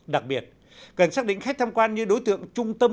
đặc biệt cần xác định khách tham quan như đối tượng trung tâm